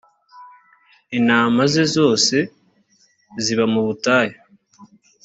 intama ze zose ziba mubutayu.